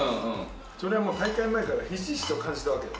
それはもう大会前からひしひしと感じたわけよ。